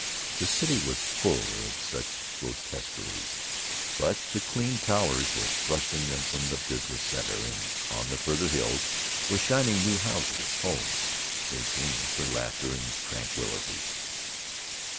The city was full of such grotesqueries, but the clean towers were thrusting them from the business center, and on the farther hills were shining new houses, homes they seemed for laughter and tranquillity.